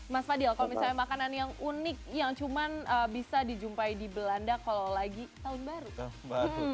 mas fadil kalau misalnya makanan yang unik yang cuma bisa dijumpai di belanda kalau lagi tahun baru